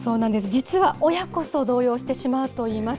実は親こそ動揺してしまうといいます。